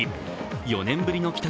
４年ぶりの帰宅